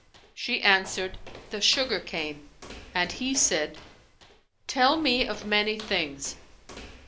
'" She answered, "The sugar cane;" and he said, "Tell me of many things."